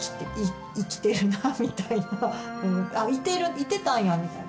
いてたんや、みたいな。